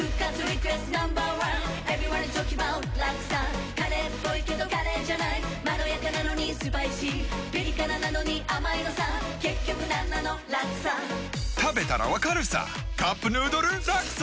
Ｎｏ．１Ｅｖｅｒｙｏｎｅｉｓｔａｌｋｉｎｇａｂｏｕｔラクサカレーっぽいけどカレーじゃないまろやかなのにスパイシーピリ辛なのに甘いのさ結局なんなのラクサ食べたら分かるさ「カップヌードルラクサ」！